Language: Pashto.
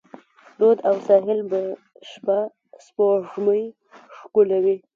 رود او ساحل به شپه، سپوږمۍ ښکلوي